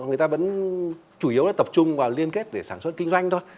người ta vẫn chủ yếu là tập trung vào liên kết để sản xuất kinh doanh thôi